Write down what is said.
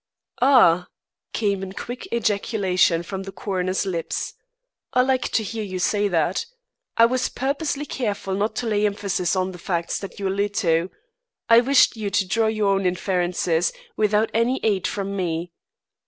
"Ah!" came in quick ejaculation from the coroner's lips, "I like to hear you say that. I was purposely careful not to lay emphasis on the facts you allude to. I wished you to draw your own inferences, without any aid from me.